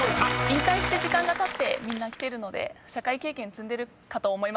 引退して時間がたってみんなきてるので社会経験積んでるかと思います。